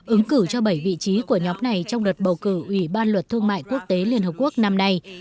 ứng cử cho bảy vị trí của nhóm này trong đợt bầu cử ủy ban luật thương mại quốc tế liên hợp quốc năm nay